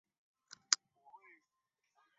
他的父亲瞽叟是个盲人。